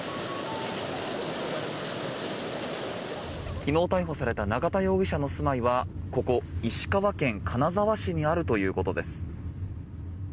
昨日逮捕された永田容疑者の住まいはここ、石川県金沢市にあるということです。